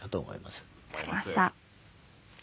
分かりました。